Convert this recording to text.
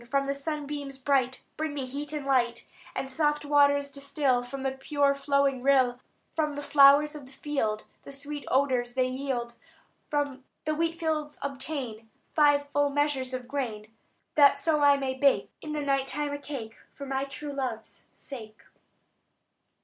From the sunbeams bright Bring me heat and light; And soft waters distil From the pure flowing rill. From the flowers of the field The sweet odours they yield. From the wheatfields obtain Five full measures of grain, That so I may bake In the night time a cake, For my true love's sake."